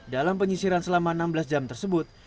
dalam penyisiran selama enam belas jam tersebut